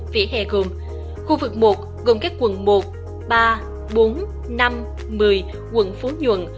phía hè gồm khu vực một gồm các quận một ba bốn năm một mươi quận phố nhuận